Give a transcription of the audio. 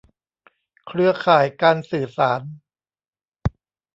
เครือข่ายการสื่อสาร